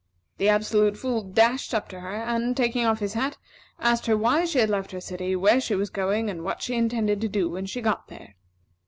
The Absolute Fool dashed up to her, and, taking off his hat, asked her why she had left her city, where she was going, and what she intended to do when she got there.